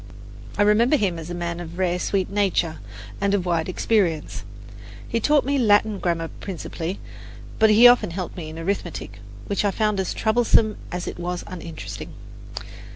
I remember him as a man of rare, sweet nature and of wide experience. He taught me Latin grammar principally; but he often helped me in arithmetic, which I found as troublesome as it was uninteresting.